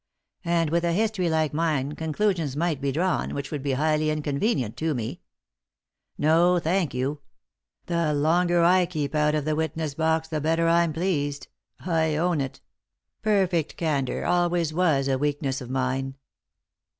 And with a history like mine conclusions might be drawn which would be highly inconvenient to me. No, thank you ; the longer I keep out of the witness box the better I'm pleased — I own it ; perfect can dour always was a weakness of mine."